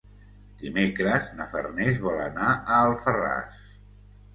Dimecres na Farners vol anar a Alfarràs.